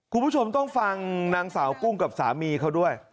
คุณผู้ชมต้องฟังนางสาวกุ้งกับสามีเขาด้วย